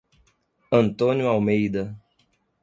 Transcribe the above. Antônio Almeida